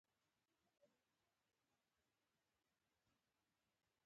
احمد د پلار پر پلو پل کېښود.